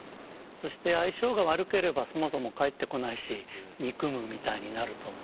そして相性が悪ければそもそも帰ってこないし「憎む」みたいになると思う。